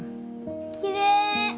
きれい。